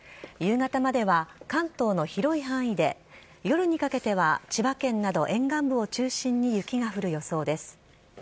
夕方までは関東の広い範囲で夜にかけては千葉県など沿岸部を中心に雪が降る予想です。